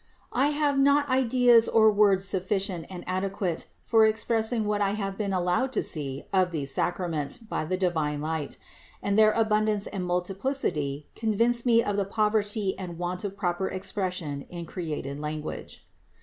I have not ideas or words sufficient and adequate for expressing what I have been allowed to see of these sacraments by the divine light ; and their abundance and multiplicity con vince me of the poverty and want of proper expression in created language.